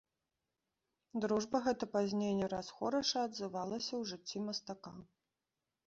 Дружба гэта пазней не раз хораша адзывалася ў жыцці мастака.